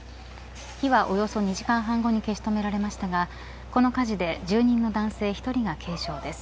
火はおよそ２時間半後に消し止められましたがこの火事で住人の男性１人が軽傷です。